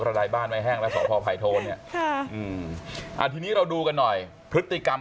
อะไรบ้านไม่แห้งแล้วสพไพโทเนี่ยที่นี้เราดูกันหน่อยพฤติกรรม